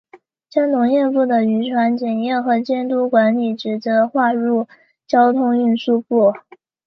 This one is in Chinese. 将农业部的渔船检验和监督管理职责划入交通运输部。